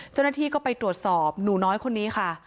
เจ้าหน้าที่ก็ไปตรวจสอบหนูน้อยคนนี้ค่ะ